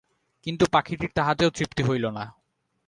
কিন্তু পাখীটির তাহাতেও তৃপ্তি হইল না।